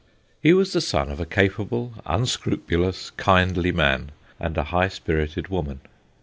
He was the son of a capable, unscrupulous, kindly man and a high spirited woman.